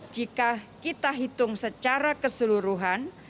jika kita hitung secara keseluruhan